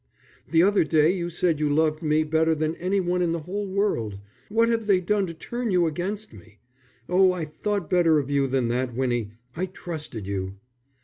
The other day you said you loved me better than any one in the whole world. What have they done to turn you against me? Oh, I thought better of you than that, Winnie; I trusted you."